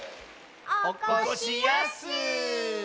おこしやす。